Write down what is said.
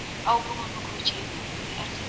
چي هغوی ځانونه مبارزین او د خپلو قومونو د